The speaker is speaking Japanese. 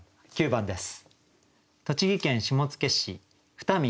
９番です。